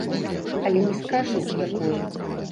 Але не скажу, якое.